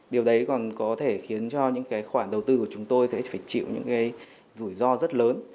điều đấy còn có thể khiến cho những cái khoản đầu tư của chúng tôi sẽ phải chịu những cái rủi ro rất lớn